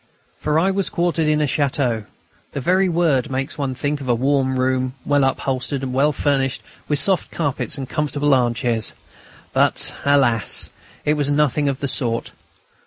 For I was quartered in a château. The very word makes one think of a warm room, well upholstered, well furnished, with soft carpets and comfortable armchairs. But, alas! it was nothing of the sort....